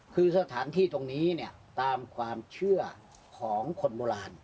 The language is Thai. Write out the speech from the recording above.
คือสถานที่ตรงนี้เนี่ยตามความเชื่อของคนโบราณ